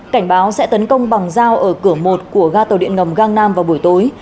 cảnh báo sẽ tấn công bằng giao ở cửa một của ga tàu điện ngầm gangnam vào buổi tối